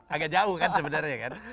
agak jauh kan sebenarnya kan